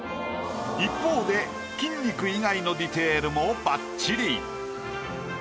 一方で筋肉以外のディテールもばっちり。